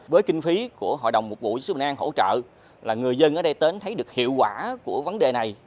với kinh phí của hội đồng mục vụ giáo sứ bình an hỗ trợ người dân ở đây tến thấy được hiệu quả của vấn đề này